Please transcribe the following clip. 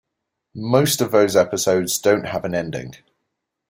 Most of those episodes don't have an ending.